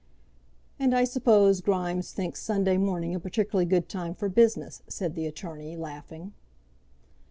"And I suppose Grimes thinks Sunday morning a particularly good time for business," said the attorney, laughing.